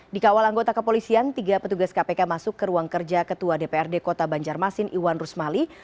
dikawal anggota kepolisian tiga petugas kpk masuk ke ruang kerja ketua dprd kota banjarmasin iwan rusmali